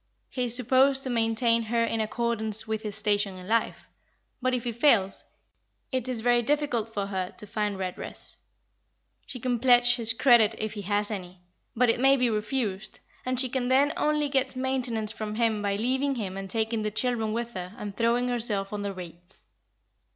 He is supposed to maintain her in accordance with his station in life, but if he fails, it is very difficult for her to find redress. She can pledge his credit if he has any, but it may be refused, and she can then only get maintenance from him by leaving him and taking the children with her and throwing herself on the rates.